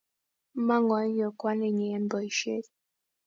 Mangu auiyo kwaninyi eng boisiet